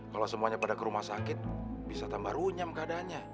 kalau semuanya pada ke rumah sakit bisa tambah runyam keadaannya